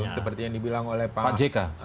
seperti yang dibilang oleh pak jk